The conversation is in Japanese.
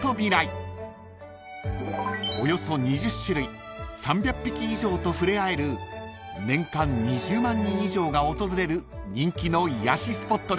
［およそ２０種類３００匹以上と触れ合える年間２０万人以上が訪れる人気の癒やしスポットです］